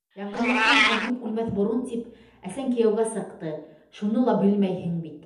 Яңғыҙлыҡтан алйып үлмәҫ борон тип, әсәң кейәүгә сыҡты, шуны ла белмәйһең бит...